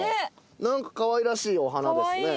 何かかわいらしいお花ですね。